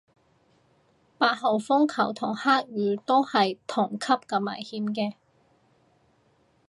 八號風球同黑雨都係同級咁危險嘅